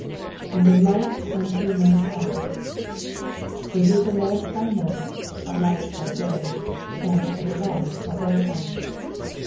''^And a light unto my path,'*'' It is a lamp by night, a light by day, and a delight at all times.